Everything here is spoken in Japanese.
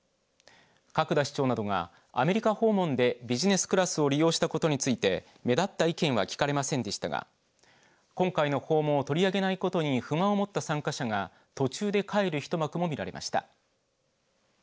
角田市長などがアメリカ訪問でビジネスクラスを利用したことについて目立った意見は聞かれませんでしたが今回の訪問を取り上げないことに不満を持った参加者が途中で帰る一幕も見られました。